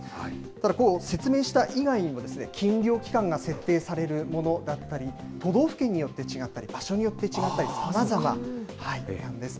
ただ説明した以外にも禁漁期間が設定されるものだったり、都道府県によって違ったり、場所によって違ったりさまざまなんです。